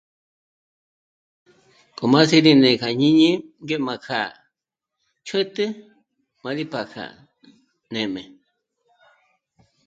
K'o m'a sí'i rí né kja jñíni ngé m'a kjâ'a chǜt'ü pa rí p'a kja nê'm'e